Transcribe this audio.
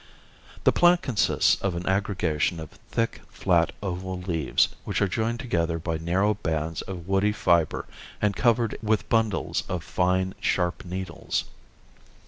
The plant consists of an aggregation of thick, flat, oval leaves, which are joined together by narrow bands of woody fiber and covered with bundles of fine, sharp needles.